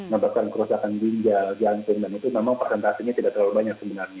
menyebabkan kerusakan ginjal jantung dan itu memang persentasenya tidak terlalu banyak sebenarnya